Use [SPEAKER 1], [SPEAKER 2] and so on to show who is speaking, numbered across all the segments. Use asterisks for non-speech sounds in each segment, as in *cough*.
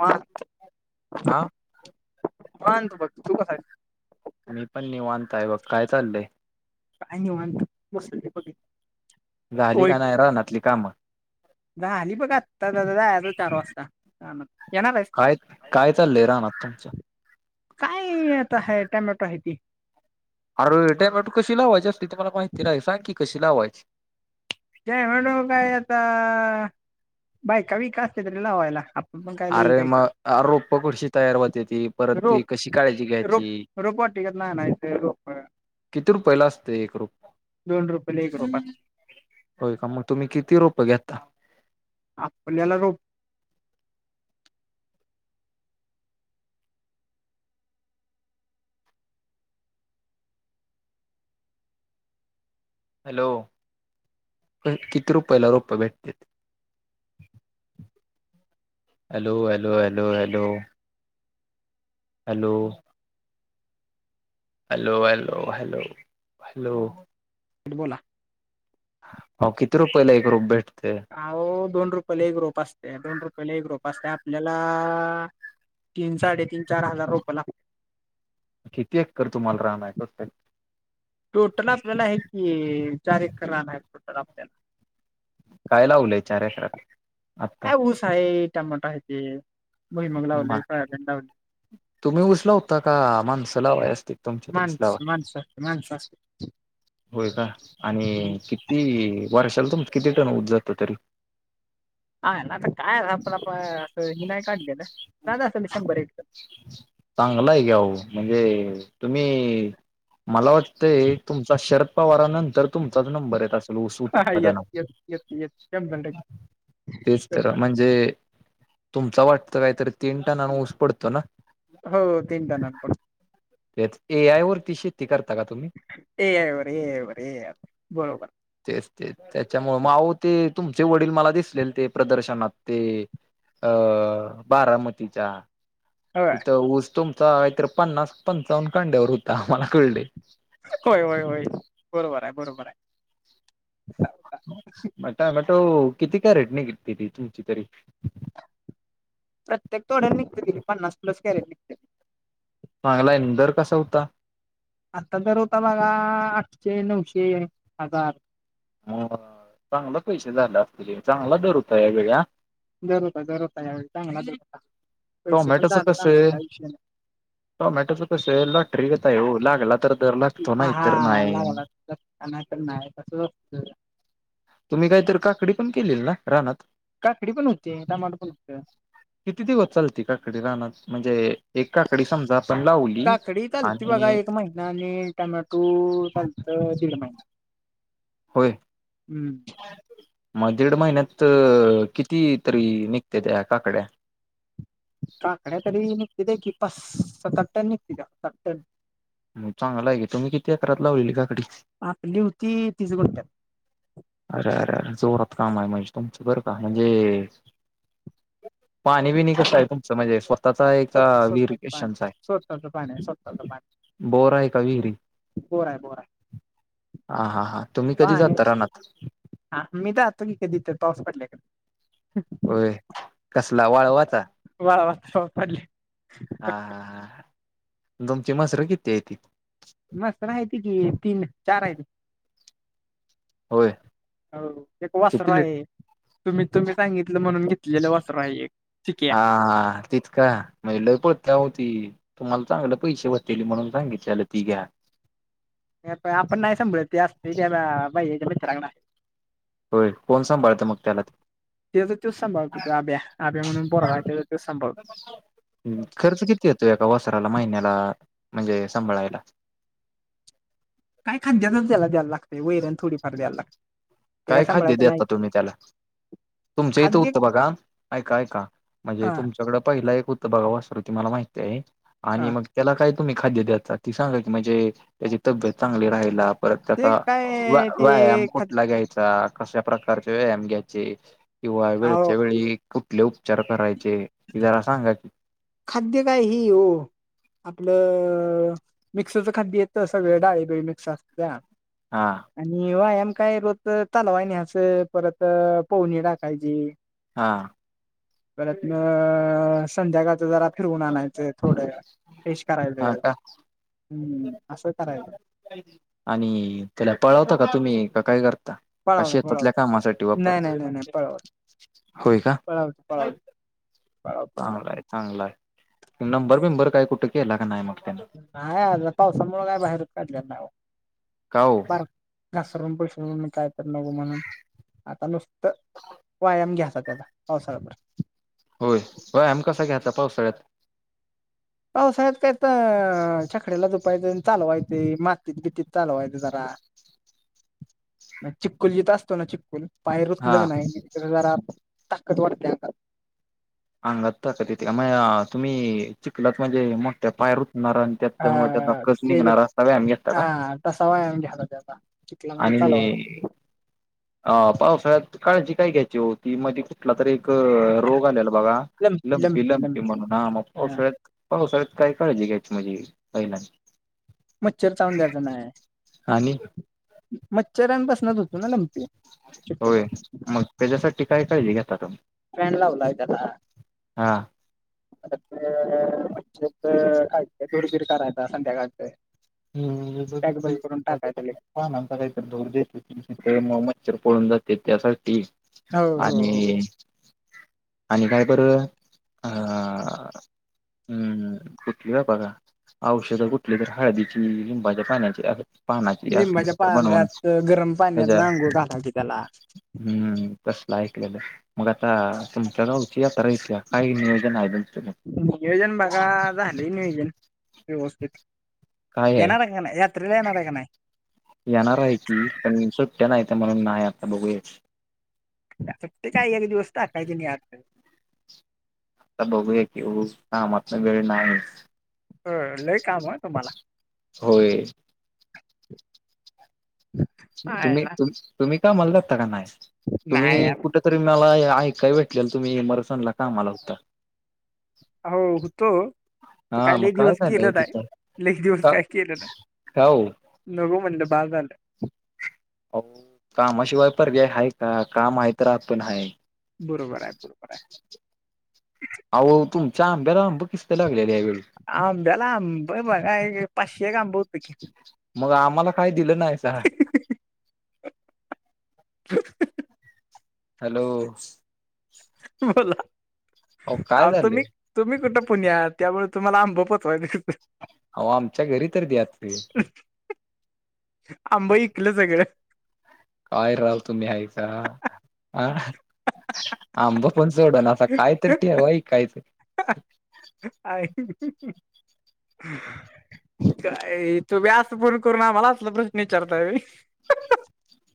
[SPEAKER 1] हां.
[SPEAKER 2] आ.
[SPEAKER 1] निवांत बघ तू कसा आहेस.
[SPEAKER 2] मी पण निवांत हाय बघ काय चालंय.
[SPEAKER 1] काय निवांत बसलोय बघ इथं.
[SPEAKER 2] झाली काय नाय रानातली काम.
[SPEAKER 1] झाली बघा आता च आता जायाच चार वाजता रानांत.
[SPEAKER 2] काय काय चाललंय रानात तुमच्या.
[SPEAKER 1] काय अता आहे टोमॅटो हायती.
[SPEAKER 2] अरर ये टोमॅटो कशी लावायची. असते मला माहिती नाही सांग की कशी लावायची.
[SPEAKER 1] टोमॅटो काय आता बायका बिका असत्यात रे लावायला. पण काय
[SPEAKER 2] आ
[SPEAKER 1] लई
[SPEAKER 2] रे
[SPEAKER 1] काय करत
[SPEAKER 2] मग रोप कशी तयार होतेती. परत ती कशी काळजी घ्यायची.
[SPEAKER 1] रोपवाटीका तन अनायचं रोप.
[SPEAKER 2] किती रुपायाला असते एक रोप.
[SPEAKER 1] दोन रुपये ला एक रोपं असतंय.
[SPEAKER 2] व्हय काय मग तुम्ही किती रोप घेता.
[SPEAKER 1] आपल्याला रोपं.
[SPEAKER 2] हॅलो किती रुपयला रोप भेटत्याती. Hello hello hello hello. Hello. Hello hello hello hello.
[SPEAKER 1] *unintelligible* बोला.
[SPEAKER 2] आहो किती रुपयेला एक रोप भेटते.
[SPEAKER 1] आओ दोन रुपयाला एक रोप असत्या. दोन रुपयाला एक रोप असत्या आपल्याला. तीन साडेतीन चार हजार रोप लागतात.
[SPEAKER 2] किती एकर तुम्हाला रान आहे टोटल.
[SPEAKER 1] टोटल आपल्याला हाय की चार एकर रान आहे टोटल आपल्याला.
[SPEAKER 2] काय लावलंय चार एकरात. आता
[SPEAKER 1] काय ऊस आहे. टमाटो हायती भुई मूग
[SPEAKER 2] मा
[SPEAKER 1] लावले सोयाबीन लावले.
[SPEAKER 2] तुम्ही ऊस लावता का. माणस लावाय असत्यात तुमच्यात ऊस
[SPEAKER 1] माणस
[SPEAKER 2] लावाय.
[SPEAKER 1] माणस असत्याती.
[SPEAKER 2] होय का आणि किती वर्षाला तुमचा किती टन ऊस जातो तरी.
[SPEAKER 1] ह आता काय आपण असं हि नाही काढलेलं. जात असल शंभर एक
[SPEAKER 2] चांगलं आहे की आओ म्हणजे तुम्ही मला वाट ते तुमचा शरद पवार नंतर तुमचाच नंबर येत अस ऊस
[SPEAKER 1] हा येस
[SPEAKER 2] उत्पादनात.
[SPEAKER 1] येस येस येस शंभर टक्के
[SPEAKER 2] तेच तर
[SPEAKER 1] शंभर
[SPEAKER 2] म्हणजे, म्हणजे तुमच वाटतं काहीतरी तीन टनान ऊस पडतो ना.
[SPEAKER 1] हो तीन टनांन पडतो.
[SPEAKER 2] तेच ए आय वरती शेती करता का तुम्ही.
[SPEAKER 1] ऐआय वर ऐआय ऐआय बरोबर.
[SPEAKER 2] तेच तेच त्यांच्यामुळं मग आहो ते तुमचे वडील मला दिसलेले ते प्रदर्शनात ते. अ बारामतीच्या.
[SPEAKER 1] होय
[SPEAKER 2] तिथं ऊस तुमचा काहीतर पन्नास पंचावन्न काड्यावर होता मला कळय.
[SPEAKER 1] होय होय होय बरोबर आहे बरोबर आहे.
[SPEAKER 2] टोमॅटो किती कॅरेट निघतेती तुमची तरी.
[SPEAKER 1] प्रत्येक तोड्याला निघते की पन्नास प्लस कॅरेट निघत्यात.
[SPEAKER 2] चांगलाय न दर कसा होता.
[SPEAKER 1] आता दर होता बघा. आठशे नऊशे हजार.
[SPEAKER 2] मग चांगलं पैसे झाले असतील. चांगला दर होत या वेळी.
[SPEAKER 1] दर होता दर होता ह्या वेळी चांगला दर होता. पैशे पण झाले चांगले काय विषय नाही.
[SPEAKER 2] टोमॅटो च कसाय लॉटरी गत आहे. ओ लागला तर लागतो नाय तर नाही.
[SPEAKER 1] नाय तर नाय तसंच असतं.
[SPEAKER 2] तुम्ही काहीतरी काकडी पण केलेली ना रानात.
[SPEAKER 1] काकडी पण होती. टमाटर पण होतं.
[SPEAKER 2] किती दिवस चालते. काकडी रानात म्हणजे एक काकडी समजा आपण लावली.
[SPEAKER 1] काकडी चालते बघा.
[SPEAKER 2] आणि
[SPEAKER 1] एक महिना आणि टोमॅटो चालतं दीड महिना.
[SPEAKER 2] होय.
[SPEAKER 1] हम्म
[SPEAKER 2] मग दीड महिन्यात किती तरी निघत्यात काकड्या.
[SPEAKER 1] काकड्या तरी निघत्याता की पास सताट टण निघत्यात सात‌टन.
[SPEAKER 2] मग चांगल आहेे की, तुम्ही किती एकरात लावलेली काकडी.
[SPEAKER 1] आपली होती तीस गुंट्यात.
[SPEAKER 2] अरे अरे अरे जोरात काम आहे. म्हणजे तुमचं बरं का म्हणजे,
[SPEAKER 1] *inaudible*
[SPEAKER 2] पाणी बिणी कसं आहे. तुमचं म्हणजे स्वतःचा का
[SPEAKER 1] स्वतः
[SPEAKER 2] वीर
[SPEAKER 1] स्वतःच पाणी
[SPEAKER 2] गेशंचा
[SPEAKER 1] स्वतःच पाणी स्वतःच
[SPEAKER 2] आहे.
[SPEAKER 1] पाणी
[SPEAKER 2] बोर आहे का विहिरी.
[SPEAKER 1] बोर आय बोर आय.
[SPEAKER 2] हा हा हां तुम्ही कधी जाता रानांत.
[SPEAKER 1] हा मी जातो की कधी तर पाऊस पडल्या गत.
[SPEAKER 2] होय कसला वाळवाचा.
[SPEAKER 1] वाळवाचा पडलाय.
[SPEAKER 2] हा हा तुमची मसर किती हायती.
[SPEAKER 1] मसर हायती की तीन-चार हायत.
[SPEAKER 2] होय
[SPEAKER 1] हो एक वासरू
[SPEAKER 2] किती लिट
[SPEAKER 1] हाय. तुम्ही तुम्ही सांगितलं म्हणून घेतलेलं वासरू हाय हे एक चिक्या.
[SPEAKER 2] आ हा तिचं का. मग लै पळत्या आहो ती तुम्हाला चांगलं पैसे होतीली म्हणून सांगितलेलं ती घ्या.
[SPEAKER 1] आपण नाही सांभाळत ते असते. भैय्याच्या मित्रांकड हाय.
[SPEAKER 2] होय कोण सांभाळतं मग त्याला ति
[SPEAKER 1] तेच तोच सांभाळतोय. तो अभ्या अभ्या म्हणून पोरगा आहे तेच तोच सांभाळतो.
[SPEAKER 2] खर्च किती येतो. एका वसराला महिन्याला म्हणजे सांभाळायला.
[SPEAKER 1] काय खांद्याच त्याला द्यायला लागते. वैरण थोडीफार द्यायला लाग
[SPEAKER 2] काय खांद्य देता तुम्ही त्याला. तुमच्या इथं
[SPEAKER 1] खाद्य
[SPEAKER 2] उत्तं बघा ऐका ऐका म्हणजे
[SPEAKER 1] हा
[SPEAKER 2] तुमचं. तुमच्याकड पहिलं एक होतं बघा वासरू. ते मला माहिती आहे. आणि
[SPEAKER 1] हा
[SPEAKER 2] मग त्याला काय तुम्ही खांद्य द्यायचा ती सांगा की, म्हणजे त्यांची तब्येत चांगली राहायला. परत
[SPEAKER 1] ते
[SPEAKER 2] त्यांचा व्या
[SPEAKER 1] काय
[SPEAKER 2] व्यायाम
[SPEAKER 1] ते खाद
[SPEAKER 2] कुठला घ्याय चा कशा प्रकारचे व्यायाम घ्यायचे. किंवा
[SPEAKER 1] अहो
[SPEAKER 2] वेळच्या वेळी, कुठले उपचार करायचे ते जरा सांगा की.
[SPEAKER 1] खांद्य काय हि ओ. आपलं अ मिक्सच खाद्य येतं. सगळं डाळीबिळी मिक्स असत्या.
[SPEAKER 2] हां.
[SPEAKER 1] आणि व्यायाम काय रोज चालवाय न्यायचं परत पवनी टाकायची.
[SPEAKER 2] हा.
[SPEAKER 1] परतन अ संध्याकाळच जरा फिरवून आणायचं. थोड्या पेश करायचे
[SPEAKER 2] हा का
[SPEAKER 1] हम्म असं करायच.
[SPEAKER 2] आणि त्याला पळवता का तुम्ही का काय करता? का
[SPEAKER 1] पळावलं पळावलं
[SPEAKER 2] शेतातल्या कामासाठी
[SPEAKER 1] नाही
[SPEAKER 2] वापरता
[SPEAKER 1] नाही नाही नाही
[SPEAKER 2] होय का.
[SPEAKER 1] पळालो
[SPEAKER 2] चांगला आहे चांगला आहे नंबर बिंबर काय कुठं केला का नाही मग त्यांनी?
[SPEAKER 1] नाही आता पावसामूळं काय बाहेरच काढल्या नाय हो.
[SPEAKER 2] का ओ
[SPEAKER 1] घासरून पडशील म्हणून काय तर नगो म्हणून. आता नुसतं व्यायाम घ्याचा त्याचा पावसाळा भर.
[SPEAKER 2] होय व्यायाम कसा घ्याचा पावसाळ्यात?
[SPEAKER 1] पावसाळ्यात काय ते छकड्याला जुपायचं आन चालवाय ते मातीत बीतीत चालवायच जरा. चिक्कुल जिथं असतो ना चिक्कुल पाय रुतले
[SPEAKER 2] हा
[SPEAKER 1] काय नाही जरा ताकद वाढते हातात.
[SPEAKER 2] अंगात ताकत येते का म या तुम्ही चिखलात म्हणजे मोठ्या पाय रुतणाऱ्या त्यात्यामुळे त्याचा
[SPEAKER 1] हा
[SPEAKER 2] कसं
[SPEAKER 1] ते
[SPEAKER 2] निघणार असता होय आम्ही येता काय
[SPEAKER 1] हा तसा व्यायाम घ्यायला त्याचा चिखलामध्ये चालवायला
[SPEAKER 2] आणि अ पावसाळ्यात काळजी काय घ्यायची हो ती मधी कुठलातरी एक रोग आलेला बघा लंपी लंपी म्हणून हा मग पावसाळ्यात पावसाळ्यात काय काळजी घ्यायची म्हणजे पहिला?
[SPEAKER 1] मच्छर चावून द्यायचं नाही.
[SPEAKER 2] आणि
[SPEAKER 1] मच्छरांपासनच होतो ना लंपी शक्यतो.
[SPEAKER 2] त्याज्यासाठी काय काळजी घेता तुम?
[SPEAKER 1] फॅन लावलाय त्याला *unintelligible* काय ते काय दुर बिर करायता संध्याकाळचे.
[SPEAKER 2] *unintelligible* काय
[SPEAKER 1] लगेच
[SPEAKER 2] म्हणता कायतर धूर *unintelligible* म मच्छर पळून जाते त्यासाठी.
[SPEAKER 1] हो हो
[SPEAKER 2] आणि
[SPEAKER 1] हो
[SPEAKER 2] आणि कायबरं हा. हम्म कुठली का बघा औषध कुठली तर हळदी ची लिंबाच्या पाण्याची असं
[SPEAKER 1] लिंबाच्या पाल्यात गरम
[SPEAKER 2] त्याच्या
[SPEAKER 1] पाण्यातनं आंघोळ घाला की त्याला.
[SPEAKER 2] हम्म तसला ऐकलेलं. मग आता तुमच्या गावची यात्रा येत्या काय नियोजन आहे तुमचं म?
[SPEAKER 1] नियोजन बघा झालं नियोजन व्यवस्थित.
[SPEAKER 2] काय आहे
[SPEAKER 1] येणार का नाही यात्रेला येणार आहे का नाही
[SPEAKER 2] येणार हाय की? पण सुट्टया नाही तर म्हणून नाही आता बघूया.
[SPEAKER 1] सुट्टी काय एक दिवस टाकायचीन यात.
[SPEAKER 2] आत्ता बघूया की उज कामातनं वेळ नाय मिळत.
[SPEAKER 1] होय लय काम हाय तुम्हाला.
[SPEAKER 2] होय. तुम्ही
[SPEAKER 1] पाहायला
[SPEAKER 2] तुम्ही कामाला जाता की नाय तुम्ही
[SPEAKER 1] नाही यार
[SPEAKER 2] कुठं तरी मला ऐकाय भेटलेल तुम्ही मरसांला कामाला होता.
[SPEAKER 1] आहो होतो. तर काय
[SPEAKER 2] हा
[SPEAKER 1] लय
[SPEAKER 2] मग
[SPEAKER 1] दिवस
[SPEAKER 2] झालं हो
[SPEAKER 1] केलं नाय
[SPEAKER 2] तिथं
[SPEAKER 1] लय दिवस
[SPEAKER 2] का
[SPEAKER 1] काय केलं नाय.
[SPEAKER 2] का हो?
[SPEAKER 1] नको म्हणलं बास झालं.
[SPEAKER 2] आहो कामाशिवाय पर्याय हाय का काम हाय तर आपण हाय.
[SPEAKER 1] बरोबर आय, बरोबर आय.
[SPEAKER 2] अहो तुमच्या आंब्याला आंबं किस्त लागल्या यावेेळी.
[SPEAKER 1] आंब्याला आंब बघाय पाचशे एक होतं की.
[SPEAKER 2] मग आम्हाला काय दिलं नायसा. हॅलो.
[SPEAKER 1] बोला
[SPEAKER 2] अहो काय
[SPEAKER 1] आव
[SPEAKER 2] झालंय?
[SPEAKER 1] तुम्ही. तुम्ही कुठं पुण्यात त्यामुळे तुम्हाला आंब पोहोचवायचं कसं.
[SPEAKER 2] आहो आमच्या घरी तर द्याचं.
[SPEAKER 1] आंबा इकल सगळं.
[SPEAKER 2] काय राव तुम्ही हायसा, आ आ आंबा पण सोडणासा. आता काय तरी ठेवा ईकायचं.
[SPEAKER 1] काय. तुम्ही असं फोन करून आम्हाला असलं प्रश्न विचारताय होय.
[SPEAKER 2] *inaudible*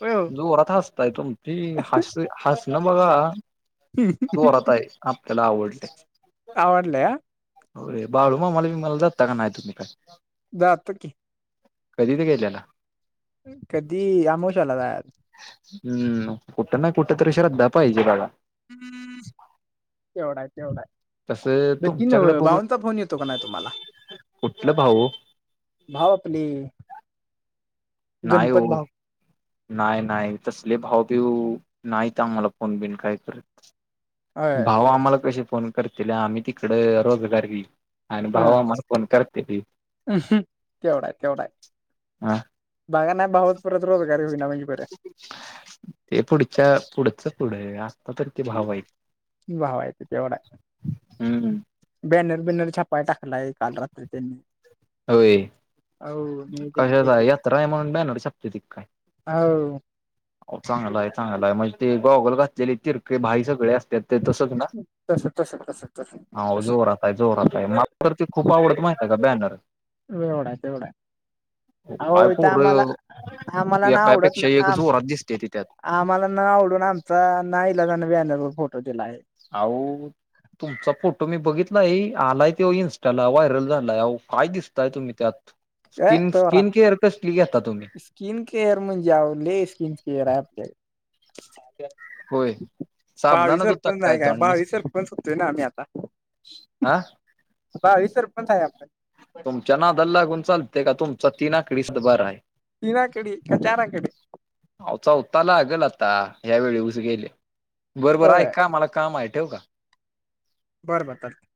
[SPEAKER 1] होय हो
[SPEAKER 2] जोरात हसताय तुम्ही हसणं बघा.
[SPEAKER 1] हम्म.
[SPEAKER 2] जोरात हाय आपल्याला आवडलंय.
[SPEAKER 1] आवडलंय हा
[SPEAKER 2] होय बाळू मामाला भीमाला जाता की नाही तुम्ही.
[SPEAKER 1] जातो की.
[SPEAKER 2] कधीच गेल्याल.
[SPEAKER 1] कधी अमोशाला जायाच.
[SPEAKER 2] हम्म कुठ नाही कुठं तरी श्रद्धा पाहिजे बघा.
[SPEAKER 1] तेवढं आय तेवढं आय.
[SPEAKER 2] तसं
[SPEAKER 1] बर ती
[SPEAKER 2] तुमच्याकडे
[SPEAKER 1] नव्ह
[SPEAKER 2] बघून
[SPEAKER 1] भाऊंचा फोन येतो का नाय तुम्हाला.
[SPEAKER 2] कुठलं भाऊ
[SPEAKER 1] भाव आपली.
[SPEAKER 2] नाही ओ. नाय नाय तसले भावभीऊ नाहीत. आम्हाला फोन बिन काय करत.
[SPEAKER 1] होय
[SPEAKER 2] भाऊ आम्हाला कसे फोन करतील. आम्ही तिकडं रोजगारली आणि भाऊ
[SPEAKER 1] ह
[SPEAKER 2] आम्हाला फोन कर *unintelligible*
[SPEAKER 1] तेवढा आहे तेवढा आहे.
[SPEAKER 2] हा
[SPEAKER 1] बघा नाही भाऊच परत रोजगारी होईना म्हणजे बरं.
[SPEAKER 2] ते पुढच्या पुढच पुढं आता तरी ते भाऊ आहेत.
[SPEAKER 1] भाव आहे तेवढा.
[SPEAKER 2] हम्म
[SPEAKER 1] बॅनर बिनर छापाय टाकलाय. काल रात्री त्यांनी.
[SPEAKER 2] होय
[SPEAKER 1] हो नियोजन
[SPEAKER 2] कशाचा
[SPEAKER 1] केले
[SPEAKER 2] यात्रा आहे म्हणून बॅनर झापत्याती काय.
[SPEAKER 1] आव.
[SPEAKER 2] चांगलाय आहे चांगलाय आहे म्हणजे ते गॉगल घातले तिरके भाई सगळे असत्यात. ते तसंच ना
[SPEAKER 1] तस तस तस तस
[SPEAKER 2] हांव
[SPEAKER 1] तस
[SPEAKER 2] जोरात. जोरात आहे. मला तर ते खूप आवडत माहितेय का बॅनर.
[SPEAKER 1] एवढा तेवढा
[SPEAKER 2] काय
[SPEAKER 1] आहो इथं
[SPEAKER 2] पोर
[SPEAKER 1] आम्हाला आम्हाला ना आवडत
[SPEAKER 2] एकापेक्षा
[SPEAKER 1] नाही.
[SPEAKER 2] *unintelligible*
[SPEAKER 1] आम्हाला न आवडून आमचा नाईलाजान बॅनर वर फोटो दिलाय.
[SPEAKER 2] आऊत. तुमचा फोटो मी बघितला आहे. आलाय ते इन्स्टाला व्हायरल झालाय आहो काय दिसताय तुम्ही त्यात.
[SPEAKER 1] अय
[SPEAKER 2] स्किन
[SPEAKER 1] तोरात.
[SPEAKER 2] स्किन केअर कसली घेता तुम्ही
[SPEAKER 1] कीन केअर म्हणजे आहो लै स्किन केअर आहे आपल्याकडं.
[SPEAKER 2] होय.
[SPEAKER 1] भावी
[SPEAKER 2] साबणान धुता
[SPEAKER 1] सरपंच नाही काय?
[SPEAKER 2] तोंड
[SPEAKER 1] भावी
[SPEAKER 2] नुसतं
[SPEAKER 1] सरपंच होतोय ना आम्ही आता
[SPEAKER 2] हा
[SPEAKER 1] भावी सरपंच हाय आपण.
[SPEAKER 2] तुमच्या नादाला लागून चालतंय का तुमचा तीन आकडी सातबारा आहे.
[SPEAKER 1] तीन आकडी का चार आकडी?
[SPEAKER 2] अहो चौथा लागल आता यावेळी ऊस गेले बर बर
[SPEAKER 1] होय
[SPEAKER 2] ऐका मला काम आहे ठेऊ का?
[SPEAKER 1] बर बर *unintelligible*